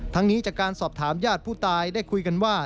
นี้จากการสอบถามญาติผู้ตายได้คุยกันว่า